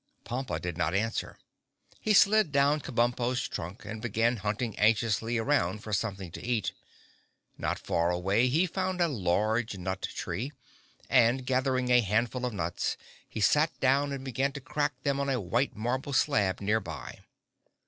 Pompa did not answer. He slid down Kabumpo's trunk and began hunting anxiously around for something to eat. Not far away he found a large nut tree and, gathering a handful of nuts, he sat down and began to crack them on a white marble slab near by.